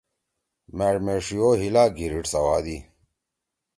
مأݜ میݜی او ہیِلا گھیِریِڈ سوادی۔